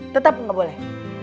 tetep gak boleh